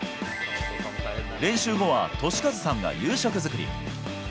練習後は、俊一さんが夕食作り。